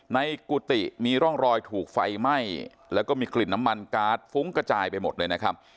กุฏิมีร่องรอยถูกไฟไหม้แล้วก็มีกลิ่นน้ำมันการ์ดฟุ้งกระจายไปหมดเลยนะครับ